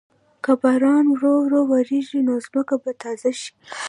که باران ورو ورو وریږي، نو ځمکه به تازه شي.